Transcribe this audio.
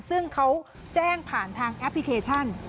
ซึ่งเขาแจ้งผ่านทางแอปพลิเคชัน